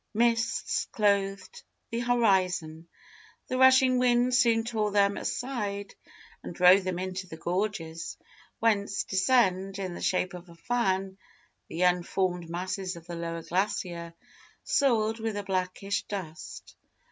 Mists clothed the horizon. The rushing wind soon tore them aside, and drove them into the gorges, whence descend, in the shape of a fan, the unformed masses of the lower glacier, soiled with a blackish dust.